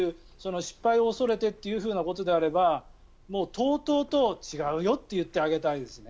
失敗を恐れてっていうことであればとうとうと違うよと言ってあげたいですね。